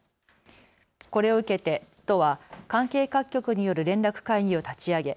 これを受けて都は関係各局による連絡会議を立ち上げ